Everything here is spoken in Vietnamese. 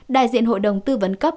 đại diện hội đồng tư vấn cấp